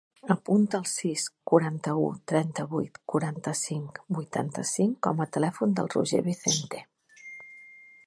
Apunta el sis, quaranta-u, trenta-vuit, quaranta-cinc, vuitanta-cinc com a telèfon del Roger Vicente.